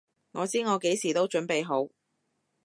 我知我幾時都準備好！